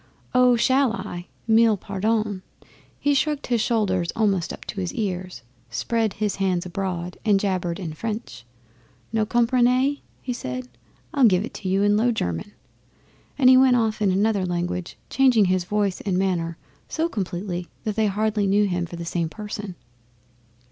'Oh! Shall I? Mille pardons!' He shrugged his shoulders almost up to his ears spread his hands abroad, and jabbered in French. 'No comprenny?' he said. 'I'll give it you in Low German.' And he went off in another language, changing his voice and manner so completely that they hardly knew him for the same person.